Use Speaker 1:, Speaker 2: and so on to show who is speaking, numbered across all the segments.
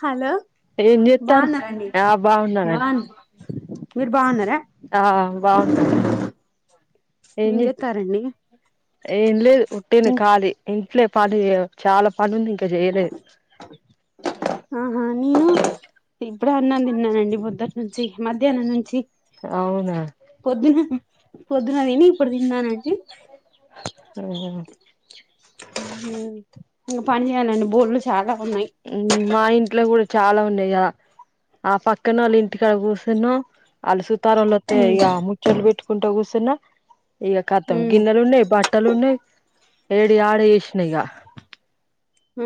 Speaker 1: hello
Speaker 2: ఏం చేత్తారు
Speaker 1: బాగున్నారా అండి
Speaker 2: ఆ బాగున్నానండి
Speaker 1: బాగు మీరు బాగున్నారా
Speaker 2: ఆ
Speaker 1: ఏం
Speaker 2: ఏంది
Speaker 1: చేస్తారండి
Speaker 2: ఏం లేదు ఉట్టినే ఖాళీ ఇంట్లో పని చాలా పనుంది ఇంకా చేయలేదు
Speaker 1: ఆహా నేను ఉన్నానండి పొద్దుటి నుంచి మధ్యానం నుంచి
Speaker 2: అవునా
Speaker 1: పొద్దున్న పొద్దునది ఇప్పుడు తిన్నానండి
Speaker 2: అ
Speaker 1: ఇంకా పని చేయాలండి బోర్లు చాల ఉన్నాయ్
Speaker 2: మా ఇంట్లో కూడ చాలా ఉన్నాయ ఆ పక్కన వాళ్ళు ఇంటికాడ కూర్చ [unintelligible] తరంలోస్త ఇక ముచ్చలు పెట్టుకుంటా కూర్చున్నా ఇక కతం గిన్నెలు ఉన్నాయి బట్టటి అట్టలునే ఏడి ఆడ వేసినా ఇక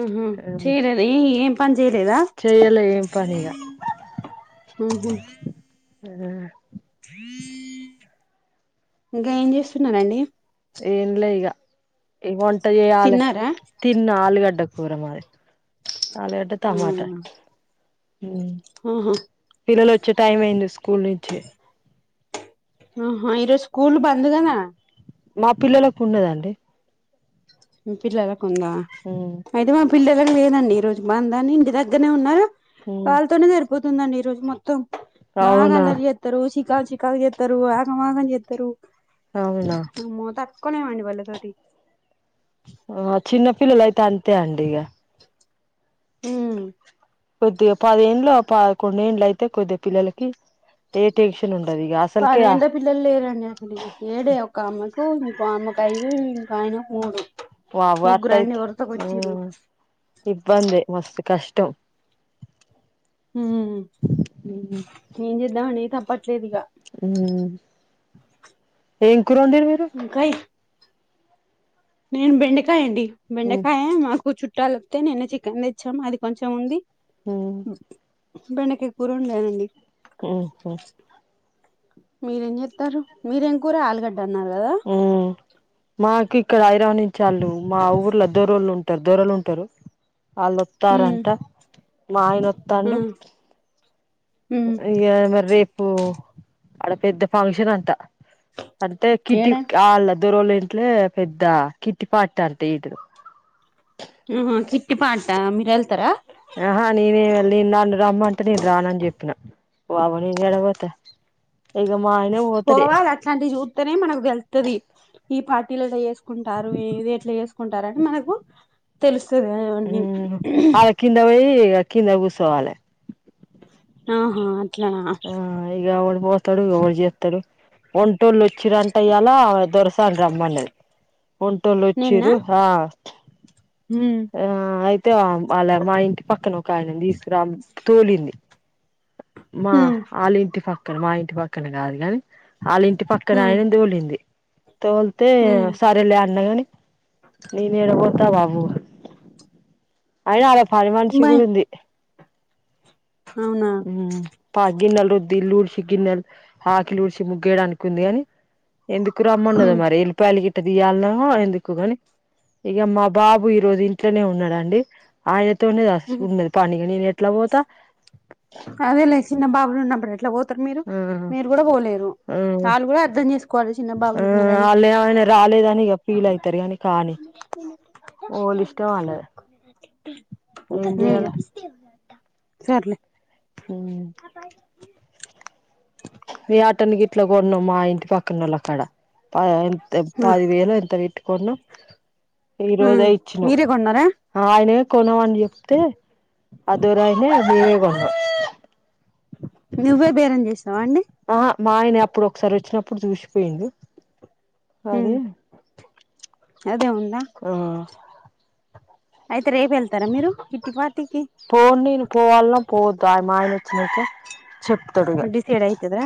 Speaker 1: ఆహ చేయలేద ఏ ఏం పని చేయలేదా
Speaker 2: చెయ్యాలే ఏం పని ఇగ
Speaker 1: ఇంగ ఏం చేస్తున్నారండి
Speaker 2: ఏంలే ఇగ ఇ వంట చేయాలే
Speaker 1: తిన్నారా
Speaker 2: తిన్న ఆలుగడ్డ కూర మది ఆలుగడ్డ టమాట ఉ
Speaker 1: ఆహా
Speaker 2: పిల్లలు వచ్చే టైం అయింది స్కూల్ నుంచి
Speaker 1: ఆహా ఈరోజు స్కూల్ బంద్ కద
Speaker 2: మా పిల్లలకు ఉండదండి
Speaker 1: పిల్లలకు ఉంద
Speaker 2: హు
Speaker 1: అయితే మా పిల్లలకి లేదండి ఈ రోజు బందాన్ని ఇంటి దగ్గరనే ఉన్నారు
Speaker 2: ఉమ్
Speaker 1: వాళ్ళతోనే సర్ పోతుందండి ఈ రోజు మొత్తం బాగ
Speaker 2: అవునా
Speaker 1: [unintelligible] [unintelligible] చికల్ చికాల్ చెతరు ఆగమాగం చెతరు
Speaker 2: అవునా
Speaker 1: వాళ్ళతోటి
Speaker 2: ఆ చిన్న పిల్లలైతే అంతే అండి ఇగ
Speaker 1: ఉ
Speaker 2: కొద్దిగా [unintelligible] కొండేండ్లు అయితే కొద్ది పిల్లలకి ఏ టెన్షన్ ఉండదు అసలుకే
Speaker 1: [unintelligible] పిల్లలు లేరండి అసలు [unintelligible] ఒక అమ్మకు ఇంకో అమ్మకు అయ ఇంకా ఆయన మూడు
Speaker 2: వా
Speaker 1: ముగ్గురండి
Speaker 2: వాటయిత్
Speaker 1: వరసకు వచ్చిర్రు
Speaker 2: ఉమ్ ఇబ్బంది మస్తూ కష్టం
Speaker 1: ఉమ్ మేం చేద్దమండి తప్పట్లేదు ఇగ
Speaker 2: ఉమ్ ఎం కూర ఒండిరు మీరు
Speaker 1: ఇంక నేను బెండకాయండి
Speaker 2: ఉమ్
Speaker 1: బెండకాయ మాకు చుట్టాలోత్తేనే నిన్న చికెన్ తెచ్చాం అది కొంచెం ఉంది
Speaker 2: ఉమ్
Speaker 1: బెండకాయ్ కూర ఒండనండి
Speaker 2: ఆహ
Speaker 1: మీరేం చెత్తారు మీరేం కూర ఆలుగడ్డ అన్నారు కద
Speaker 2: మ్ మాకు ఇక్కడ [unintelligible] చాలు మా ఊర్ల దోరోళ్ళు దగ్గర లో ఉంటరు వాళ్ళు
Speaker 1: ఉమ్
Speaker 2: ఒత్తరంట మా ఆయన
Speaker 1: ఆ
Speaker 2: [unintelligible]
Speaker 1: ఉమ్
Speaker 2: ఇగ మరి రేపు ఆడ పెద్ద ఫంక్షన్ అంట అంటే
Speaker 1: ఏడా
Speaker 2: కిట్టిక్ అళ్ళ దొరల్ల ఇంట్లే పెద్ద కిట్టి పార్టీ అంట ఏంటిదో
Speaker 1: [unintelligible] కిట్టి పార్ట అ మీరెల్తర
Speaker 2: ఆహా నేనే నేను నన్ను రమ్మంటే నేను రానని జెప్పిన [unintelligible]
Speaker 1: ఇట్లాంటి చూత్తేనే మనకు తెళ్తది ఈ పార్టీలల్లా చేసుకుంటారు ఇ ఇది ఎట్లా చేసుకుంటారు అని మనకు తెలుస్తది అవన్నీ
Speaker 2: ఉమ్ ఆళ్ళ కింద వోయి ఇగ కింద కుసోవాలే
Speaker 1: ఆహా అట్లానా
Speaker 2: ఆ ఇగ ఎవడు పోతడు ఎవడు చేత్తడు ఒంటోళ్ళు వచ్చి రంట ఇయ్యలా దొరసాని రమ్మన్నది ఒంటోల్లు వచ్చిరు హా
Speaker 1: మ్
Speaker 2: ఆ అయితే ఆమ్ అళ్ళ మా ఇంటి పక్కన ఒక ఆయన తీసుకురా అని తోలింది మా
Speaker 1: ఉమ్
Speaker 2: అళ్ళ ఇంటి పక్కన మా ఇంటి పక్కన గాదు గని అళ్ళ ఇంటి పక్కన
Speaker 1: ఉమ్
Speaker 2: ఆయన ని తోలింది తోలితే
Speaker 1: ఉమ్
Speaker 2: సరేలే అన్నగాని నీను ఏడ పోత వావ్వో అయినా అడ పని మనిషి కుడా
Speaker 1: భయం
Speaker 2: ఉంది
Speaker 1: అవునా
Speaker 2: మ్ పా గిన్నెల రుద్ది ఇల్లు ఉడిచి గిన్నెలు ఆకిలు ఉడిచి ముగ్గేయ్యడానికి ఉంది గని ఎందుకు రమ్మన్నదో
Speaker 1: ఉమ్
Speaker 2: మరి వెల్లిపాయలు గిట్ట తియ్యాల్నో ఎందుకొ గని ఇగ మా బాబు ఈ రోజు ఇంట్లనే ఉన్నాడు అండి ఆయనతోనే
Speaker 1: ఉమ్
Speaker 2: ఉన్నాది పని ఇగ నేను ఎట్లా పోతా
Speaker 1: అదే లే చిన్న బాబులు ఉన్నప్పుడు ఎట్లా పోతారు మీరు
Speaker 2: ఆ
Speaker 1: మీరు కుడా పోలేరు
Speaker 2: ఆ
Speaker 1: వాళ్ళు కూడా అర్థం చేసుకోవాలి చిన్న
Speaker 2: ఆ
Speaker 1: బాబులు ఉన్నారని
Speaker 2: అళ్ళేమైనా రాలేదని ఇగఫీల్ అయితారు గని కానీ
Speaker 1: మ్
Speaker 2: ఓళ్ళ ఇష్టం వాళ్ళది ఏం చేయాల
Speaker 1: సర్లే
Speaker 2: మ్ యాటన్ గిట్ల కొన్నాం మా ఇంటి పక్కనోళ్ళ కాడా ప ఎంత్
Speaker 1: ఆ
Speaker 2: పది వేలో ఎంత పెట్టి కొన్నాం ఈ
Speaker 1: ఆ
Speaker 2: రోజే ఇచ్చినమ్
Speaker 1: మీరే కొన్నారా
Speaker 2: ఆయనే కొనుమని చెప్తే ఆ దొరఅయినే మీమే కొన్నాం
Speaker 1: నువ్వే బేరం చేసివా అండి
Speaker 2: ఆహ మా ఆయనే అప్పుడు ఒకసారి వచ్చినప్పుడు చూశిపోయిండు
Speaker 1: మ్ అదే ఉందా
Speaker 2: ఆ
Speaker 1: అయితే రేపు వెళ్తారా మీరు కిట్టి పార్టీకి
Speaker 2: పోను నేను పోవాల్నో పోవద్దో ఆ మా ఆయనొచ్చినక చెప్తడిగ
Speaker 1: డిసైడ్ అయితదా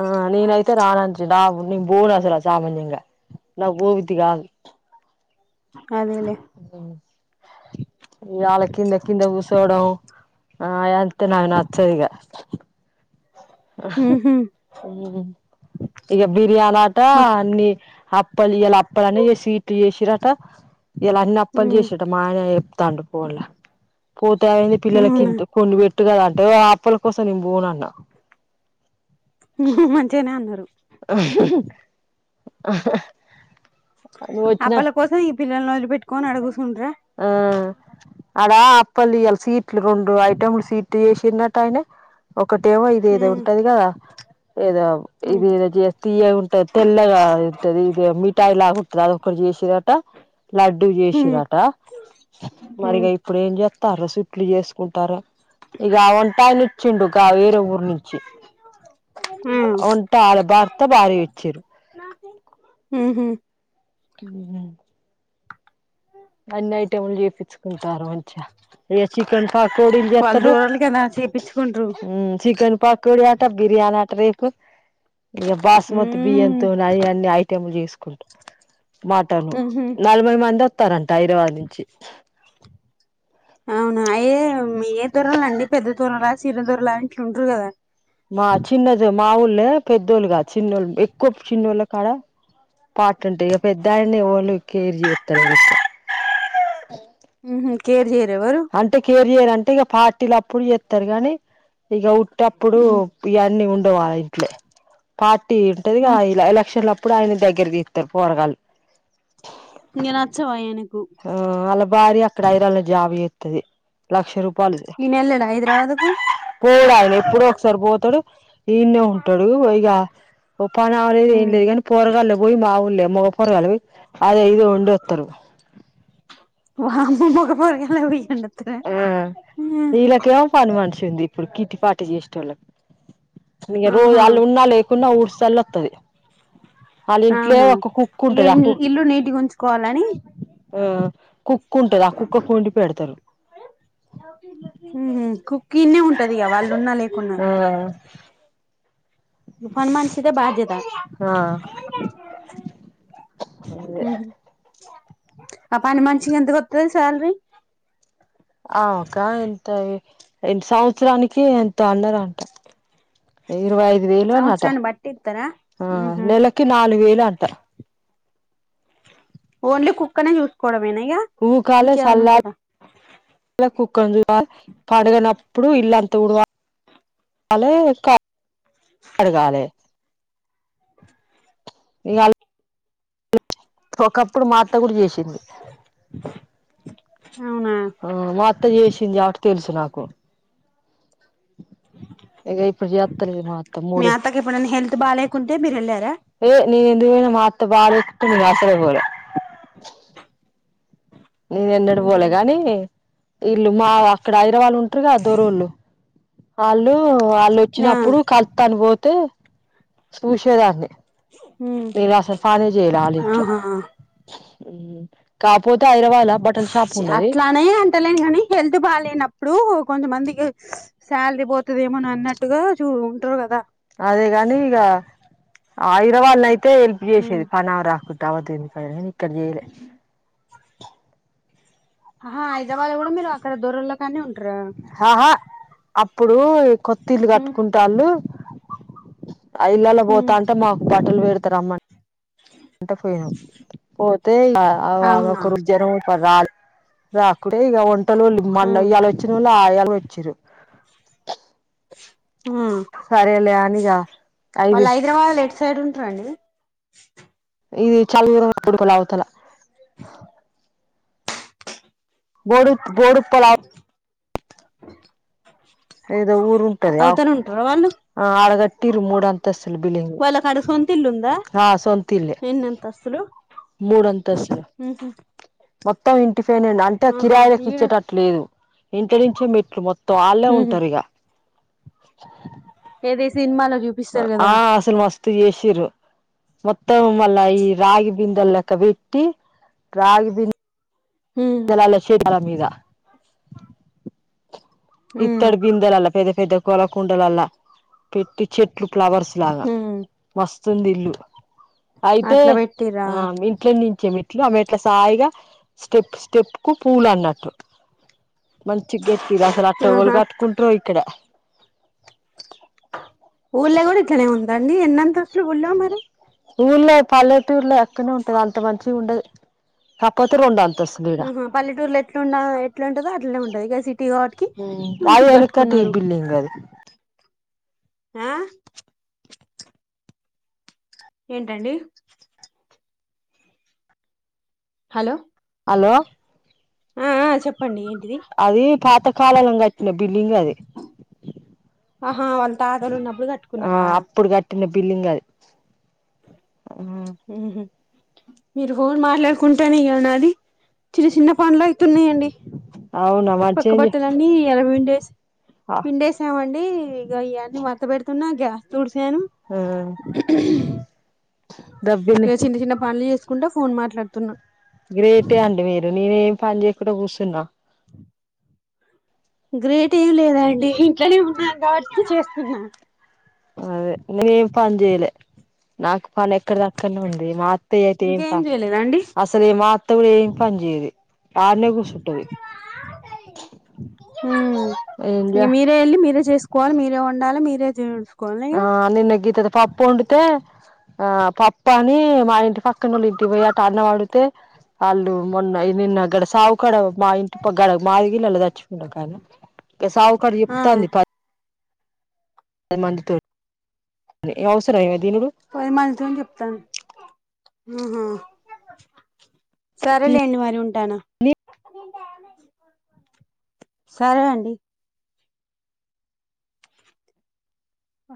Speaker 2: ఆ నను అయితే రానన్ చ్ నీను పోను అసలు సామాన్యంగా నాకు పోబుద్ది కాదు
Speaker 1: అదేలేే
Speaker 2: మ్ ఇగ ఆళ్ళ కింద కింద కుస్ సోడం ఆ అంత నాకు నచ్చదిగ
Speaker 1: ఉహు
Speaker 2: ఇగ బిర్యానీ ఆట
Speaker 1: మా
Speaker 2: అన్ని అప్పలు ఇయ్యలా అప్పలని ఇగ స్వీట్లు చేసిరట ఇయ్యలా అన్ని అప్పాలు
Speaker 1: ఉమ్
Speaker 2: చేసిరట మా ఆయన చెప్తాండు పోన్ల పోతే ఏమైంది పిల్లలకి
Speaker 1: అవునా
Speaker 2: కొన్ని పెట్టు కదా అంటే అప్పల కోసం నీను పోనుఅన్న
Speaker 1: మంచిగానే అన్నారు
Speaker 2: ఆ
Speaker 1: అప్పల కోసం ఈ పిల్లలను వదిలు పెట్టుకొని అడ కూసుంట్ర
Speaker 2: అడా అప్పలి ఇ సీట్లు రెండు ఐటెలు సీట్లు చేసిండటా ఆయనే ఒకటేమో ఇది ఏదో ఉంటదిగాద ఏదో ఇది ఏదో చేస్త తీయ్యగా ఉంటది తెల్లగా ఉంటది ఇది మిఠాయి లాగాంటంది అదిక్కటి చేసిర్దట లడ్ డ్డు చేసిరాట మరిగా ఇప్పుడు ఏం చేస్తార్రో సుట్లు చేసుకుంటారా ఇక వంటాయిన వచ్చిండు గా వేరే ఊరు నుంచి వంట ఆళ భర్త భార్య వచ్చిరు
Speaker 1: ఉహు
Speaker 2: ఉ అన్ని ఐటెంలు చేపిచ్చుకుంటారు మంచిగా ఇగ చికన్ పకోడి లు
Speaker 1: వాళ్ళు
Speaker 2: చేత్రారు
Speaker 1: దూరాలు కదా చేపిచ్చుకుంట్రు
Speaker 2: చికన్ పకోడి బిర్యానాటా రేపు ఇక బాస్మతి బియ్యంతో అ అన్ని ఐటెంలు చేసుకుంట మటన్ నలభై మంది వస్తారంట హైదరాబాద్ నుంచి
Speaker 1: అవునా అయ ఏ దోరలండి పెద్ద దొరల చిన్న దొరల ఇంట్లు ఉంటరు కదా
Speaker 2: మా చిన్నది మా ఉల్లే పెద్దోళ్ళగా చిన్నోళ్ళు ఎక్కువ చిన్నోళ్ళ కాడ ఇంపార్టెంట్ ఇక పెద్ద ఆయన్న ఎవలు కేర్ చేస్తా లేరు ఎక్కువ
Speaker 1: ఉహు కేర్ చేయర ఎవరు
Speaker 2: అంటే కేెర్ చేయర్ అంటే ఇక పార్టీలప్పుడు చెతరు కాగానీ ఇక ఉట్టప్పుడు ఇవన్నీ ఉండేవా ఇట్లే పార్టీ ఉంటది ఇల ఎలక్షన్ల అప్పుడు ఆయన్ను దగ్గర తీస్తారు పోరగాల్లు
Speaker 1: ఇగ నచ్చవాయనాకు
Speaker 2: ఆ అళ్లా భార్య అక్కడ హైడ్రావాల జాబ్ చేస్తది లక్ష రూపాయలు
Speaker 1: ఇన ఎల్లడా హైదరాబాద్కు
Speaker 2: పోడు ఆయన ఎప్పుడో ఒకసారి పోతాడు ఇన్నే ఉంటాడు ఇగ ఓ పని ఆమె లేదు ఏం లేదు కాని పొరగాల్లే పోయి మాఊల్లే మగ పొరగాల్లె పోయి అదో ఇదో వండి వత్తరు
Speaker 1: వామ్మో మోగాపోరగాల్లే పోయి వండి అత్తరా
Speaker 2: ఆ వీళ్ళకేమో పని మనిషి ఉంది ఇప్పుడు కిట్టి పార్టీ చేసేటోళ్ళకి ఇగా రోజు
Speaker 1: ఆహా
Speaker 2: వాళ్ళు ఉన్నా లే కున్నా ఊడిసి సల్లి అత్తది
Speaker 1: అవునా ఇక
Speaker 2: ఉంటది ఆ
Speaker 1: ఇల్
Speaker 2: కు
Speaker 1: ఇల్లు నీటి గుంచుకోవాలని
Speaker 2: కుక్కుంటది ఆ కుక్కకు వండి పెడతారు
Speaker 1: ఉమ్ కుక్కనే ఉంటది ఇగా వాళ్ళు ఉన్నా లేకుం
Speaker 2: ఆ
Speaker 1: పని మనిషిదే బాధ్యత
Speaker 2: ఆ
Speaker 1: హ ఆ పనికి మనిషికి ఎంత దొరుకతది శాలరీ
Speaker 2: అమేకా ఎంతో సంవత్సరానికి ఎంతోన్నార అంట ఇరవై ఐదు వేలు అనిట
Speaker 1: సంవత్సరాన్ని బట్టి ఇత్తరా
Speaker 2: ఆ
Speaker 1: ఉహు
Speaker 2: నెలకి నాలుగు వేలు అంట
Speaker 1: ఓన్లీ కుక్కనే చూసుకోవడంమేనా ఇగ
Speaker 2: ఊకాలే
Speaker 1: ఇంకేమన్నా
Speaker 2: సల్లాలే
Speaker 1: ఉంటదా
Speaker 2: మళ్ళ కుక్క పండుగనప్పుడు ఇల్లంత ఉడువాలే కా డగాలే ఇగా ఒకప్పుడు మా అత్త కూడా చేసింది
Speaker 1: అవునా
Speaker 2: ఆ మా అత్త చేసింది యటు తెలుసు నాకు ఇగ ఇప్పుడు జేత్తను మా అత్తా మూడే
Speaker 1: ఎప్పుడన్నా హెల్త్ బాగాలేకుంటే మీరు ఎళ్ళారా
Speaker 2: ఏ నేను ఎందుకు పొయినా మా అత్తకి బాలేకుంటే అసలే పోలే నేను ఎన్నడూ పోలే
Speaker 1: ఉహు
Speaker 2: గాని ఇల్ళు మా అక్కడ హైదరాబాదులా ఉంటారు కదా దోరొళ్ళు అళ్ళు అళ్ళు
Speaker 1: ఆ
Speaker 2: వచ్చినప్పుడు కలుతనికి పోతే చూసేదాన్ని
Speaker 1: ఉమ్
Speaker 2: నేను అసలు ఫాలో చేయాల అళ్లింట్లో
Speaker 1: ఆహా
Speaker 2: ఉమ్మ్ కాపోతే హైదరాబాదులా
Speaker 1: అట్లానే అంటలేను కానీ హెల్త్ బాలేనప్పుడు కొంచెమందికి శాలరీ పోతది ఏమోని అన్నట్టుగా చూ ఉంటారు కదా
Speaker 2: అదేగాని ఇగ హైదరాబాదుల అయితే హెల్ప్ చేసేది
Speaker 1: ఉమ్
Speaker 2: పనామే రాకుం టవొ దేనికైనా కని ఇక్కడ చేయాలే
Speaker 1: ఆహా హైదరాబాద్లో కూడా మీరు అక్కడ దొరోల్ల కానే ఉంటారా
Speaker 2: ఆహా అప్పుడు కొత్తిల్లు
Speaker 1: ఉమ్
Speaker 2: కట్టుకుంటాళ్ళు ఆ ఇళ్లలో
Speaker 1: ఉమ్
Speaker 2: పోతాంటే మాకు దట్టలు పెడతారు రమ్మం టే పోయినాం పోతే ఇగ ఆమె ఆమె
Speaker 1: అవునా
Speaker 2: ఒకరోజు జరం ఇక రా రాకుంటే ఇగ వంటలొళ్ళు మళ్ళా
Speaker 1: ఉమ్
Speaker 2: ఇయళ్ళా వచ్చినొళ్ళు అయళ్ళ వచ్చిరు
Speaker 1: ఉమ్మ్
Speaker 2: సరేలే అని ఇగ ఐదే
Speaker 1: హైదరాబాద్ల ఎటు సైడ్ ఉంటారండి
Speaker 2: ఇది చాల్ [unintelligible] అవతలా బోడు బోడు ఉప్పల్ అవ ఎదో ఊరు ఉంటది అవ్
Speaker 1: అవుతానే ఉంటారా వాళ్ళు
Speaker 2: ఆ అడ కట్టిర్రు మూడు అంతస్తులు బిల్డింగ్
Speaker 1: వాళ్ళకి
Speaker 2: ఆ సొంతిల్లే
Speaker 1: ఎన్ని అంతస్తులు
Speaker 2: మూడు అంతసులు
Speaker 1: మ్మ్ఉహ్మ్
Speaker 2: మొత్తం ఇంటి ఫైనుండి అంత కిరాయిలకి
Speaker 1: ఈడ
Speaker 2: ఇచ్చేటట్టు లేదు ఇంటి నుంచి మెట్లు మొ త్తం అళ్ళే
Speaker 1: ఉహు
Speaker 2: ఉంటారు ఇగ
Speaker 1: ఏది సినిమాలో చూ
Speaker 2: ఆ అసలు మస్తు చేసిరు మొత్తం మళ్ళా ఈ రాగి బిందెలక్క పెట్టి రాగి బిం
Speaker 1: ఉమ్
Speaker 2: దెలలా [unintelligible] మీద
Speaker 1: ఉమ్
Speaker 2: ఇత్తడి బిందెలలా పెద్ద పెద్ద కోలకుంటదల్లా పెట్టి చెట్లు ఫ్లవర్స్ లాగా
Speaker 1: ఉమ్
Speaker 2: మస్తుంది ఇల్లు అయితే
Speaker 1: అట్లా పెట్టిరా
Speaker 2: ఆ ఇం ట్లే నుంచే మెట్లు ఆ మెట్ల సాయిగా స్టెప్ స్టెప్కు పూలు అన్నట్టు మంచి గట్టిది అసలు అట్ట ఎవళ్లు
Speaker 1: ఆహా
Speaker 2: కట్టుకుంటరో ఇక్కడ
Speaker 1: ఊళ్ళె కూడా ఇట్లనే ఉందండి ఎన్నంతస్తుళ్ళు ఊళ్ళో మరి
Speaker 2: ఊళ్లో పల్లెటుళ్లో ఎక్కనే ఉంటది అంత మంచిగా ఉండదు కాపోతే రెండు అంతసు
Speaker 1: ఆహా పల్లెటూరులో ఎట్లుండ ఎట్లుంటదో అట్లేనే ఉంటది ఇగ సి టి వాటికి మంచిగ కట్టుకున్నారు
Speaker 2: ఇంగదే
Speaker 1: ఆ ఏంటండి హలో
Speaker 2: హలో
Speaker 1: ఆ ఆ చెప్పండి ఏంటిది
Speaker 2: అది పాత కాలం లో కట్టిన బిల్డింగ్ అది
Speaker 1: ఆహా వాళ్ళ తాతలు ఉనప్పుడు కట్
Speaker 2: ఆ అప్పుడు కట్టిన బిల్లింగ్ అది
Speaker 1: హూ హమ్ మీరు ఫోన్ మాట్లాడుకుంటేనే కానీ [unintelligible] అది చిన్న చిన్న పనులు అయితున్నాయండి
Speaker 2: అవునా మరి
Speaker 1: పక్క
Speaker 2: చేంజ్
Speaker 1: బట్టలన్ని ఇయాల పిండేసి
Speaker 2: ఆ
Speaker 1: పిండేసామండి ఇగ ఇయన్నీ మడత పెడుతున్నా గ్యాస్ తుడిసాను
Speaker 2: ఆ
Speaker 1: ఇగ చిన్న చిన్న పనులు చేసుకుంటా ఫోన్ మాట్లాడుతున్నా
Speaker 2: గ్రేటే అండి మీరు నేనే ఏమి పని చేయకుండా కూర్చున్నా
Speaker 1: గ్రేట్ ఏం లేదండి ఇంట్లోనే ఉన్నాను కాబట్టి చేస్తున్నా
Speaker 2: అదే నేం పని చేయలే నాకు పని ఎక్కడి దక్కడనే ఉంది మా తే
Speaker 1: ఇంకేం చేయలేదా అండి
Speaker 2: అసలు ఏ మాత్త కూడా ఏం పని చేయలే ఆడనే కుసుంటధి
Speaker 1: ఉం
Speaker 2: ఏం
Speaker 1: ఇంగ మీరు
Speaker 2: చేయ
Speaker 1: మీరే వెళ్ళి మీరే చేసుకోవాలి మీరే ఉండాలి మీరే చేయ
Speaker 2: ఆ నిన్న గీతది పప్పు వండితే ఆ పప్ప అని మా ఇంటి పక్కన వోళ్ళ ఇంటి పోయ అట అన్నం అడిగీతే అల్లు మొన్న నిన్నగడ సావు కాడ మా ఇంటి ప గడ మాదిగా [unintelligible] నళదచ్చుకుంటారు కానీ సావు కడ
Speaker 1: ఆ
Speaker 2: చెప్తాంది పది మందితో ఏమ అవసరం ఏమ దీనుడు
Speaker 1: పది మందితో చెప్తాను ఆహ సరేలేండి మరి ఉంటానా సరే అండి ఆ